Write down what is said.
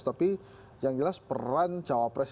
tapi yang jelas peran cawapres